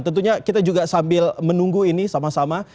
tentunya kita juga sambil menunggu ini sama sama